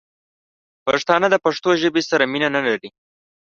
پښتانه دپښتو ژبې سره مینه نه لري